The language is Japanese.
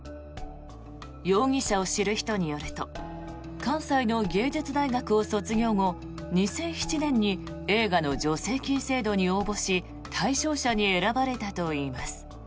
容疑者を知る人によると関西の芸術大学を卒業後２００７年に映画の助成金制度に応募し対象者に選ばれたといいます。